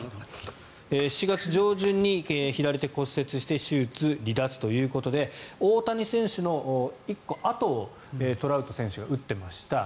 ７月上旬に左手骨折して手術・離脱ということで大谷選手の１個あとをトラウト選手が打ってました。